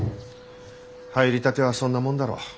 入りたてはそんなもんだろう。